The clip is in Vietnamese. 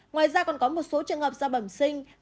ngoài ra còn có một số trường hợp da bẩm sinh